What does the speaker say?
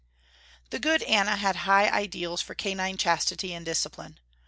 The good Anna had high ideals for canine chastity and discipline.